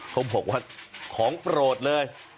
เขาบอกว่าของโปรดเลย